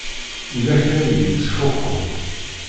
Yella kra i d-yettfuḥun.